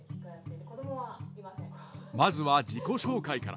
まずは自己紹介から。